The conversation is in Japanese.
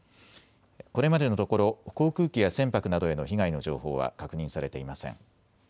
これまでのところ航空機や船舶などへの被害の情報は確認されていません。